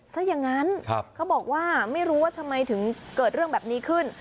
ซะอย่างนั้นเขาบอกว่าไม่รู้ว่าทำไมถึงเกิดเรื่องแบบนี้ขึ้น